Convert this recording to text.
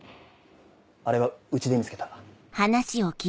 あれはうちで見つけた。